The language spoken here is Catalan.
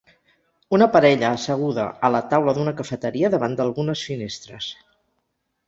Una parella asseguda a la taula d'una cafeteria davant d'algunes finestres